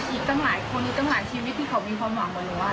อีกตั้งหลายคนอีกตั้งหลายชีวิตที่เขามีความหวังกว่าหนูว่า